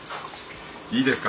いいですか？